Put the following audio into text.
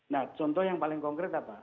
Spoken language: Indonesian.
nah contoh yang paling konkret apa